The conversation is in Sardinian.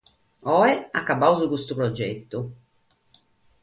Oe acabbamus custu progetu.